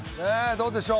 どうでしょう？